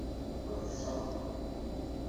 Neḍṣa.